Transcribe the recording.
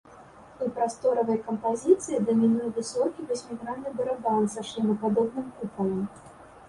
У прасторавай кампазіцыі дамінуе высокі васьмігранны барабан са шлемападобным купалам.